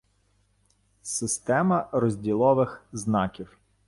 Система розділових знаків